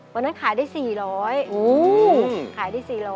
วันนั้นขายได้๔๐๐บาท